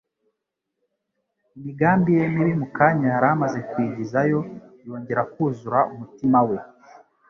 imigambi ye mibi mu kanya yari amaze kwigizayo, yongera kuzura umutima we.